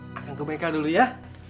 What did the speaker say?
neng akan ke mereka dulu ya